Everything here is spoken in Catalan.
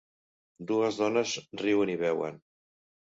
Dues dones riuen i beuen.